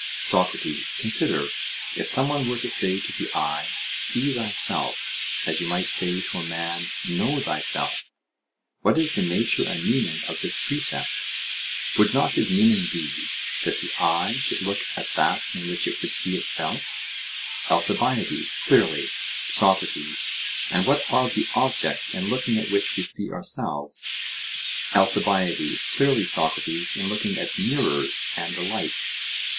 SOCRATES: Consider; if some one were to say to the eye, 'See thyself,' as you might say to a man, 'Know thyself,' what is the nature and meaning of this precept? Would not his meaning be: That the eye should look at that in which it would see itself? ALCIBIADES: Clearly. SOCRATES: And what are the objects in looking at which we see ourselves? ALCIBIADES: Clearly, Socrates, in looking at mirrors and the like.